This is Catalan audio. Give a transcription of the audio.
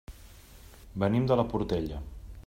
Venim de la Portella.